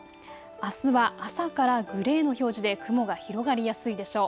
あすは朝からグレーの表示で雲が広がりやすいでしょう。